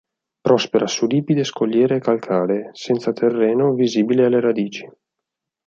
Prospera su ripide scogliere calcaree senza terreno visibile alle radici.